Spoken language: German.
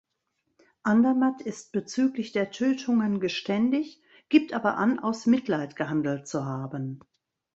Andermatt ist bezüglich der Tötungen geständig, gibt aber an, aus Mitleid gehandelt zu haben.